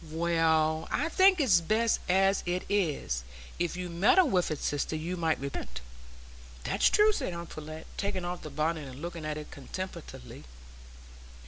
"Well, I think it's best as it is; if you meddled with it, sister, you might repent." "That's true," said aunt Pullet, taking off the bonnet and looking at it contemplatively.